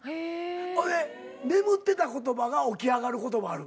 眠ってた言葉が起き上がることもある。